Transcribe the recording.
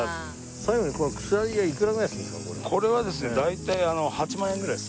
最後にこのこれはですね大体８万円ぐらいです。